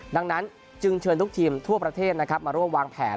ดังนั้นจึงเชิญทุกทีมทั่วประเทศมาร่วมวางแผน